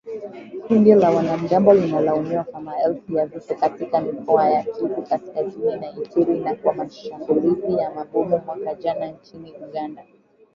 Kundi la wanamgambo limelaumiwa kwa maelfu ya vifo katika mikoa ya Kivu Kaskazini na Ituri, na kwa mashambulizi ya mabomu mwaka jana nchini Uganda